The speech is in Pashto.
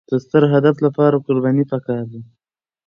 د ستر هدف لپاره قرباني پکار ده.